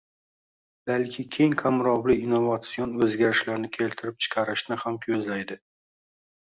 balki keng qamrovli innovatsion o‘zgarishlarni keltirib chiqarishni ham ko‘zlaydi.